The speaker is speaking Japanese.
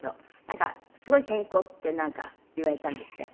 なんかすごい健康って言われたんですって？